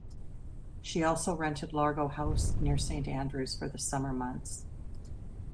She also rented Largo House near St Andrews for the summer months.